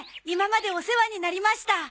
今までお世話になりました。